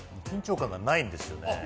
緊張感がないんですよね。